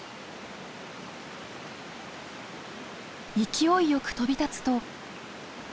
勢いよく飛び立つと。